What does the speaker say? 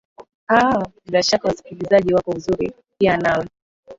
aa bila shaka wasikilizaji wako uzuri pia nawe